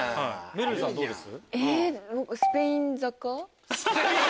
めるるさんどうです？